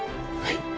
はい。